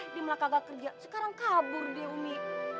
eh dia malah kagak kerja sekarang kabur dia umi